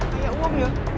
kayak uang ya